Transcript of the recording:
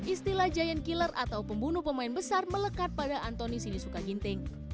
istilah giant killer atau pembunuh pemain besar melekat pada antoni sinisuka ginting